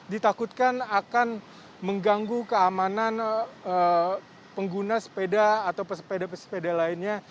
ditakutkan akan mengganggu keamanan pengguna sepeda atau pesepeda pesepeda lainnya